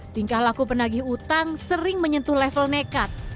tingkah laku penagih utang sering menyentuh level nekat